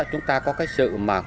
chúng ta có cái sự mà